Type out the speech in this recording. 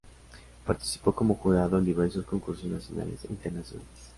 Participó como jurado en diversos concursos nacionales e internacionales.